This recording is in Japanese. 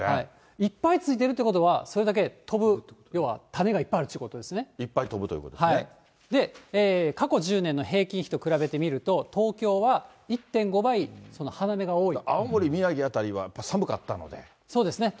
いっぱいついているということは、それだけ飛ぶ、要は種がいいっぱい飛ぶということですで、過去１０年の平均比と比べてみると東京は１．５倍、花芽が多いと。